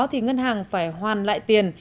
thì ngân hàng phải hoàn lại tiền